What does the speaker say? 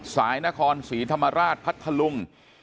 สายนครศรีธรรมราชพัทธลุง